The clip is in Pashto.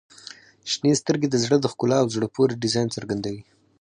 • شنې سترګې د زړه د ښکلا او زړه پورې ډیزاین څرګندوي.